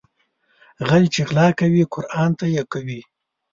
غل چې غلا کوي قرآن ته يې کوي